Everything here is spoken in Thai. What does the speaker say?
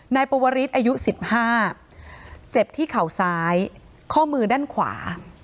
นายปวริสอายุ๑๕เจ็บที่เข่าซ้ายข้อมือด้านขวา